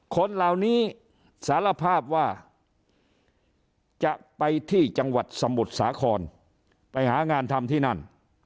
คนเหล่านี้สารภาพว่าจะไปที่จังหวัดสมุทรสาครไปหางานทำที่นั่น